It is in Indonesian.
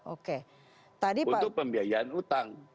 untuk pembiayaan utang